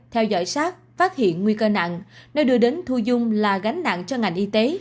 theo dõi sát phát hiện nguy cơ nặng nơi đưa đến thu dung là gánh nặng cho ngành y tế